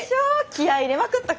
気合い入れまくったから。